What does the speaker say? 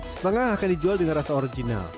setengah akan dijual dengan rasa original